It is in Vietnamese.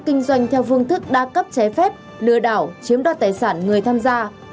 kinh doanh theo phương thức đa cấp trái phép lừa đảo chiếm đoạt tài sản người tham gia